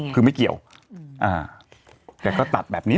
คือไม่เกี่ยวแกก็ตัดแบบนี้